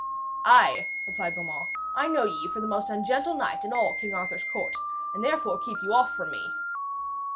'Ay,' replied Beaumains, 'I know ye for the most ungentle knight in all King Arthur's court, and therefore keep you off from me.'